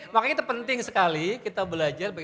makanya itu penting sekali kita belajar